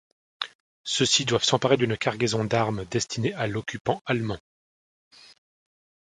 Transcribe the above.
Ceux-ci doivent s'emparer d'une cargaison d'armes destinées à l'occupant allemand.